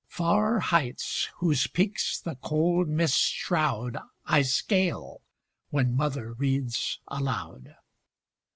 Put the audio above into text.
Far heights, whose peaks the cold mists shroud, I scale, when Mother reads aloud.